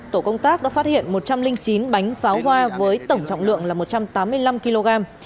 tổ công tác đã phát hiện một trăm linh chín bánh pháo hoa với tổng trọng lượng là một trăm tám mươi năm kg